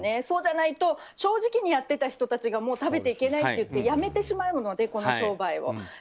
そうじゃないと正直にやっていた人たちが食べていけないといって辞めてしまうのでこの商売を。